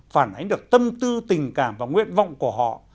phản ánh được tâm tư tình cảm và nguyện vọng của họ